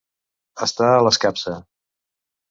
Estar a l'escapça.